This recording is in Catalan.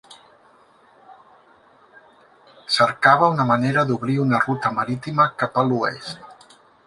Cercava una manera d'obrir una ruta marítima cap a l'oest.